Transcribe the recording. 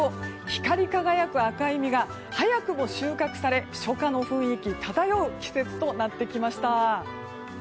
光り輝く赤い実が早くも収穫され初夏の雰囲気漂う季節となってきました。